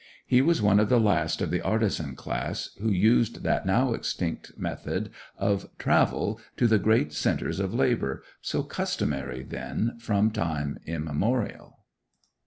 He was one of the last of the artisan class who used that now extinct method of travel to the great centres of labour, so customary then from time immemorial.